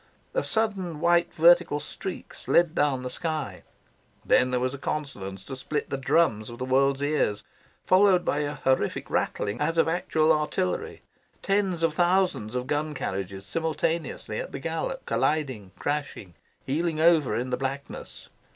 A sudden white vertical streak slid down the sky. Then there was a consonance to split the drums of the world's ears, followed by a horrific rattling as of actual artillery tens of thousands of gun carriages simultaneously at the gallop, colliding, crashing, heeling over in the blackness.